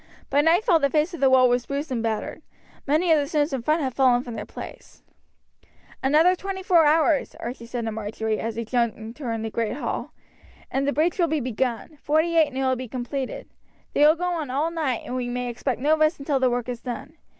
By nightfall the face of the wall was bruised and battered. Many of the stones in front had fallen from their places. "Another twenty four hours," Archie said to Marjory, as he joined her in the great hall, "and the breach will be begun, forty eight and it will be completed. They will go on all night, and we may expect no rest until the work is done.